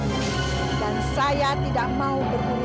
dan saya tidak mau berurusan lagi dengan pembohong seperti kalian